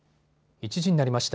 １時になりました。